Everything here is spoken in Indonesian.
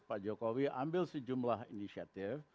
pak jokowi ambil sejumlah inisiatif